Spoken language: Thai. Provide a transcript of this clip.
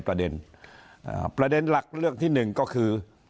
ประเด็นหลักเรื่องที่หนึ่งก็คือ